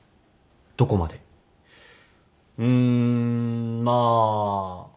うんまあ